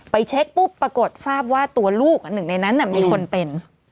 เช็คปุ๊บปรากฏทราบว่าตัวลูกหนึ่งในนั้นมีคนเป็น